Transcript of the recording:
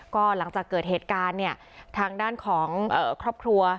ก็หลังจากเกิดเหตุการณ์เนี่ยทางด้านของครอบครัว